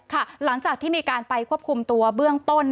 หลังจากที่มีการไปควบคุมตัวเบื้องต้น